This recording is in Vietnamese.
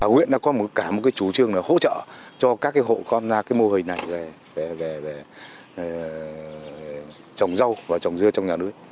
quyện đã có cả một chủ trương hỗ trợ cho các hộ khoan ra mô hình này về trồng rau và trồng dưa trong nhà núi